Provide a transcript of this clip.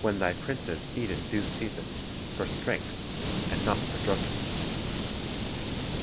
. thy princes eat in due season, for strength, and not for drunkenness!"''